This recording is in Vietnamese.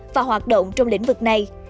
và hoạt động trong lĩnh vực này